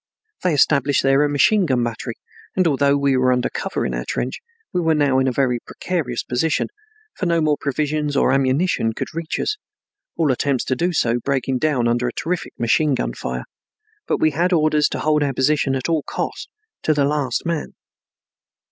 They established there a machine gun battery, and, although we were under cover in our trench, we were now in a very precarious position, for no more provisions or ammunition could reach us, all attempts to do so breaking down under a terrific machine gun fire, but we had orders to hold our position at all cost and to the last man.